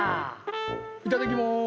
いただきます！